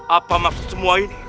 apa maksud semua ini